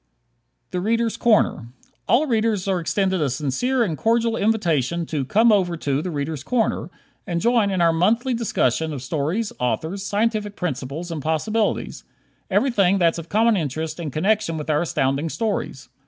"The Readers' Corner" All Readers are extended a sincere and cordial invitation to "come over to 'The Readers' Corner'" and join in our monthly discussion of stories, authors, scientific principles and possibilities everything that's of common interest in connection with our Astounding Stories.